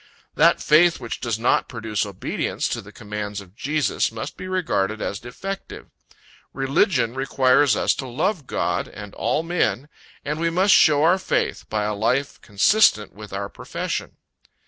That faith which does not produce obedience to the commands of Jesus must be regarded as defective. Religion requires us to love God, and all men, and we must show our faith, by a life consistent with our profession.